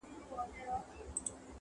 د مرغانو په کتار کي راتلای نه سې!!